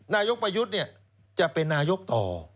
นายกประยุทธ์จะเป็นนายกต่อ